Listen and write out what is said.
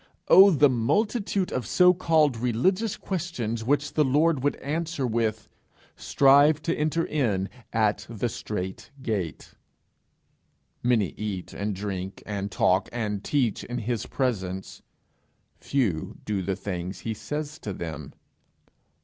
Oh, the multitude of so called religious questions which the Lord would answer with, 'strive to enter in at the strait gate'! Many eat and drink and talk and teach in his presence; few do the things he says to them!